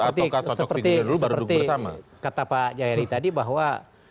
ya seperti kata pak jayali tadi bahwa